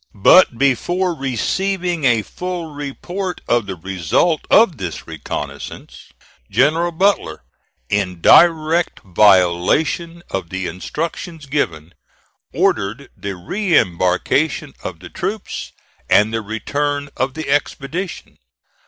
But before receiving a full report of the result of this reconnoissance, General Butler, in direct violation of the instructions given, ordered the re embarkation of the troops and the return of the expedition.